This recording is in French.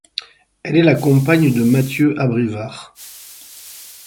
Elle est la compagne de Matthieu Abrivard.